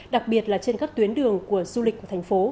đặc biệt là trên các tuyến đường của du lịch